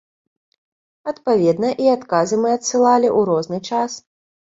Адпаведна, і адказы мы адсылалі ў розны час.